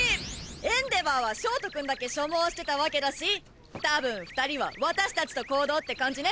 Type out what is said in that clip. エンデヴァーはショートくんだけ所望してたわけだしたぶん２人は私たちと行動って感じね！